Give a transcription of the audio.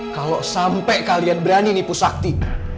kalau sampai kalian berani nipu sakti